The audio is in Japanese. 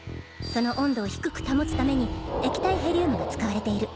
その温度を低く保つために液体ヘリウムが使われている。